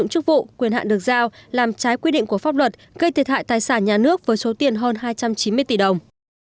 chức vụ quyền hạn được giao làm trái quy định của pháp luật gây thiệt hại tài sản nhà nước với số tiền hơn hai trăm chín mươi tỷ đồng